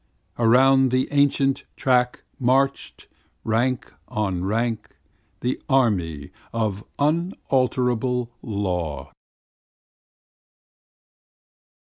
Around the ancient track march'd, rank on rank, The army of unalterable law.